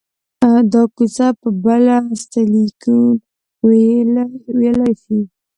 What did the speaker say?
دا کوڅه به بله سیلیکون ویلي شي